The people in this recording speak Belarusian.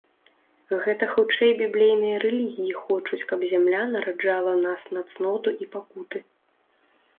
Гэта хутчэй біблейныя рэлігіі хочуць, каб зямля нараджала нас на цноту і пакуты.